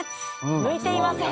向いていません。